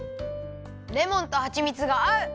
レモンとはちみつがあう！